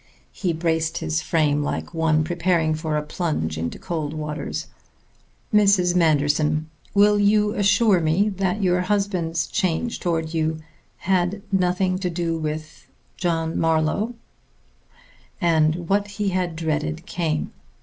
He braced his frame like one preparing for a plunge into cold waters. "Mrs. Manderson, will you assure me that your husband's change toward you had nothing to do with John Marlowe?" And what he had dreaded came.